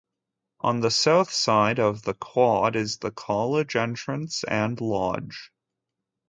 On the south side of the quad is the college entrance and lodge.